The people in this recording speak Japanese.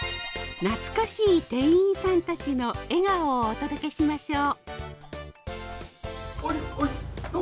懐かしい店員さんたちの笑顔をお届けしましょう。